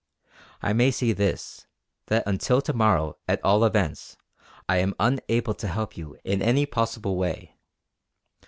I may say this, that until to morrow at all events, I am unable to help you in any possible way.